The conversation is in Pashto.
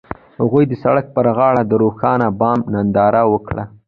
هغوی د سړک پر غاړه د روښانه بام ننداره وکړه.